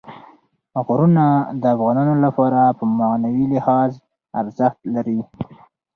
غرونه د افغانانو لپاره په معنوي لحاظ ارزښت لري.